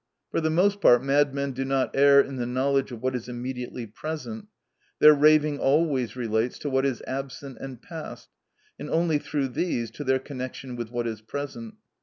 For the most part, madmen do not err in the knowledge of what is immediately present; their raving always relates to what is absent and past, and only through these to their connection with what is present.